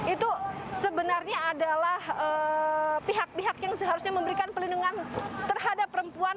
itu sebenarnya adalah pihak pihak yang seharusnya memberikan pelindungan terhadap perempuan